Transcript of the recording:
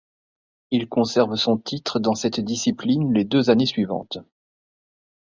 Il conserve son titre dans cette discipline les deux années suivantes.